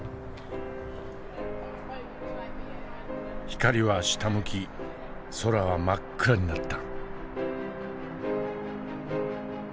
光は下向き空は真っ暗になった。